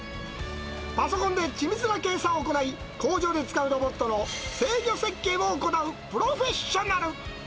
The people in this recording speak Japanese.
パソコンでち密な計算を行い、工場で使うロボットの制御設計を行うプロフェッショナル。